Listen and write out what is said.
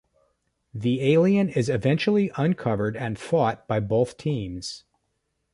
The alien is eventually uncovered and fought by both teams.